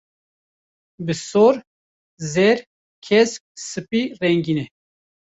bi sor, zer, kesk, sipî rengîn e.